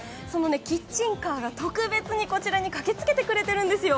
キッチンカーが特別にこちらに駆けつけてくれているんですよ。